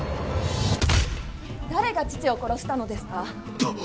誰が父を殺したのですか。